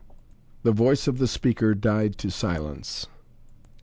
The voice of the speaker died to silence.